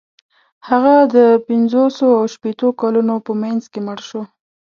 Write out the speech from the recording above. هغه د پنځوسو او شپیتو کلونو په منځ کې مړ شو.